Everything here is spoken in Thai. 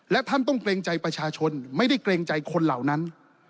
และท่านต้องเกรงใจประชาชนไม่ได้เกรงใจคนเหล่านั้น